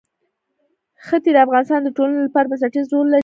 ښتې د افغانستان د ټولنې لپاره بنسټيز رول لري.